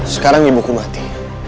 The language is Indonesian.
sekarang ibuku mati